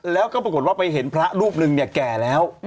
แล้วก็ปรากฏว่าไปเห็นพระรูปหนึ่งเนี่ยแก่แล้ว